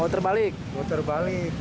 mau terbalik berat ya